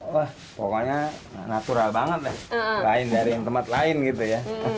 wah pokoknya natural banget lah lain dari yang tempat lain gitu ya